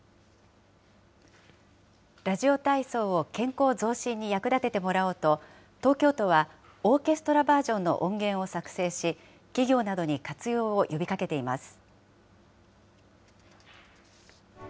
ラジオ体操を健康増進に役立ててもらおうと、東京都は、オーケストラバージョンの音源を作成し、企業などに活用を呼びかけています。